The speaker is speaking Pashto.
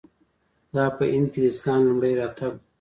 دا په هند کې د اسلام لومړی راتګ و.